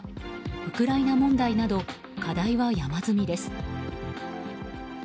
ウクライナ問題など課題は山積みです。